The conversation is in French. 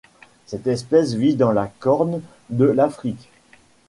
Cette espèce vit dans la Corne de l'Afrique.